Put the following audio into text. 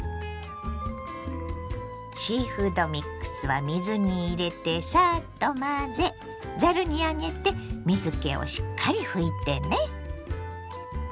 シーフードミックスは水に入れてサッと混ぜざるに上げて水けをしっかり拭いてね。